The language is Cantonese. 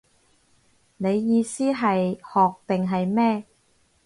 你意思係學定係咩